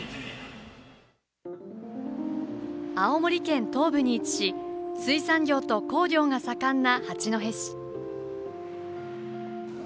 青森県東部に位置し水産業と工業が盛んな八戸市。